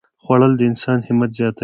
خوړل د انسان همت زیاتوي